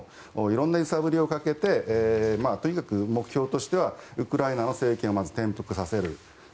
色んな揺さぶりをかけてとにかく目標として、まずウクライナの政権を転覆させる。